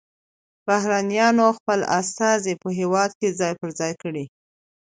بهرنیانو خپل استازي په هیواد کې ځای پر ځای کړي